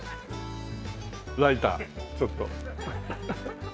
ライターちょっと。